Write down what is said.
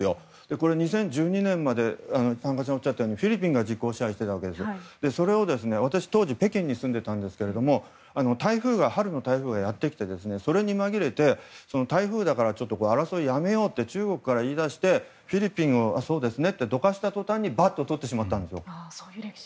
これ、２０１２年までフィリピンが実効支配していてそれを私、当時北京に住んでいたんですけれども春の台風がやってきてそれに紛れて台風だから争いをやめようって中国から言い出してフィリピンが、ああそうですねと、どかしたとたんにバッととってしまったんですよ。